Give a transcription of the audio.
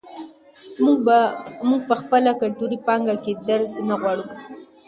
موږ په خپله کلتوري پانګه کې درز نه غواړو.